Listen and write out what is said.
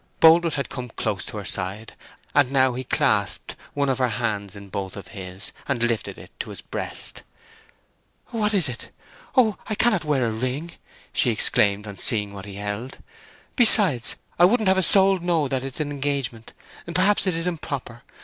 Boldwood had come close to her side, and now he clasped one of her hands in both his own, and lifted it to his breast. "What is it? Oh I cannot wear a ring!" she exclaimed, on seeing what he held; "besides, I wouldn't have a soul know that it's an engagement! Perhaps it is improper?